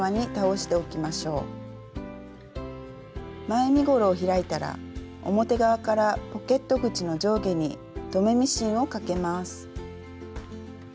前身ごろを開いたら表側からポケット口の上下に留めミシンをかけます。